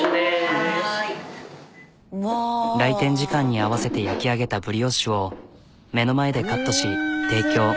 来店時間に合わせて焼き上げたブリオッシュを目の前でカットし提供。